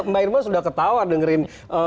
mbak irman sudah ketawa dengerin